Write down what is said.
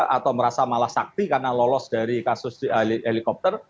atau merasa malah sakti karena lolos dari kasus helikopter